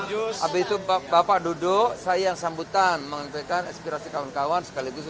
habis itu bapak duduk saya yang sambutan mengatakan aspirasi kawan kawan sekaligus